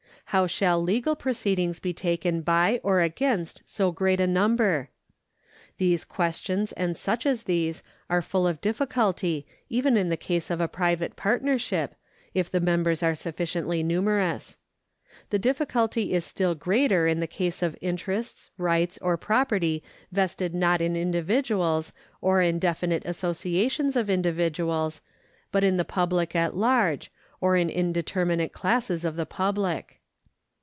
How shall legal proceedings be taken by or against so great a number ? These questions and such as these are full of difficulty even in the case of a private partnership, if the members are sufficiently numerous. The difficulty is still greater in the case of interests, rights, or property vested not in individuals or in definite associations of individuals, but in the public at large or in indeterminate classes of the public.